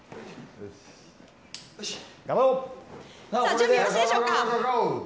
準備よろしいでしょうか。